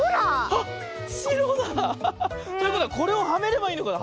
あっしろだ！ということはこれをはめればいいのかな？